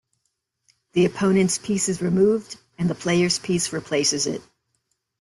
The opponent's piece is removed and the player's piece replaces it.